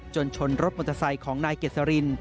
ชนรถมอเตอร์ไซค์ของนายเกษริน